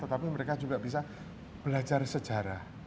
tetapi mereka juga bisa belajar sejarah